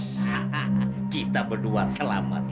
hahaha kita berdua selamat